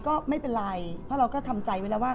ก็ไม่เป็นไรเพราะเราก็ทำใจไว้แล้วว่า